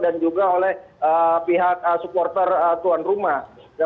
dan juga oleh pihak supporter tuan rumah